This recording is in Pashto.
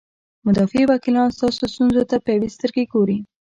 مدافع وکیلان ستاسو ستونزو ته په یوې سترګې ګوري.